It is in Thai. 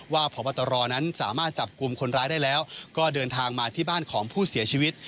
พบตรนั้นสามารถจับกลุ่มคนร้ายได้แล้วก็เดินทางมาที่บ้านของผู้เสียชีวิต